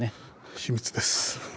秘密です。